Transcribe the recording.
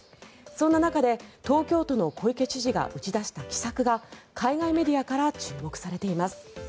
そんな中で東京都の小池知事が打ち出した奇策が海外メディアから注目されています。